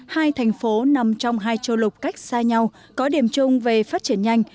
hai thành phố nằm trong hai châu lục cách xa nhau có điểm chung về phát triển nhanh